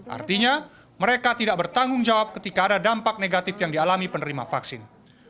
artinya mereka tidak bertanggung jawab ketika ada dampak negatif yang dialami penerima vaksin